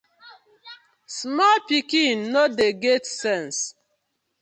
Small pikin no dey get sense.